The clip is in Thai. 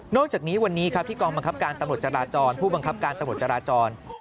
อกจากนี้วันนี้ครับที่กองบังคับการตำรวจจราจรผู้บังคับการตำรวจจราจร